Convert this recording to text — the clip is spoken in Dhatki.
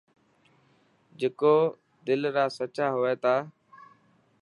جڪو دل را سچا هئني ٿا.